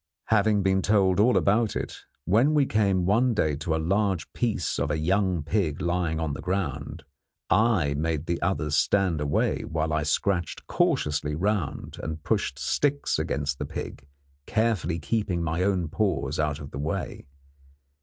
Having been told all about it, when we came one day to a large piece of a young pig lying on the ground, I made the others stand away while I scratched cautiously round and pushed sticks against the pig, carefully keeping my own paws out of the way.